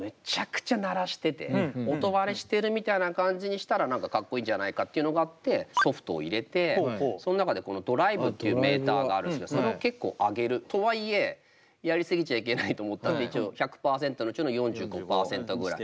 でこのドラムを何かかっこいいんじゃないかっていうのがあってソフトを入れてその中でこのドライブっていうメーターがあるんですけどそれを結構上げる。とは言えやり過ぎちゃいけないと思ったんで一応１００％のうちの４５％ぐらい。